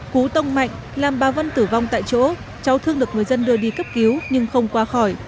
cú tông mạnh làm bà vân tử vong tại chỗ cháu thương được người dân đưa đi cấp cứu nhưng không qua khỏi